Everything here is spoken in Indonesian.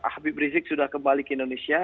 habib rizik sudah kembali ke indonesia